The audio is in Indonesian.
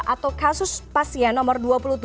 atau kasus pas ya nomor dua puluh tujuh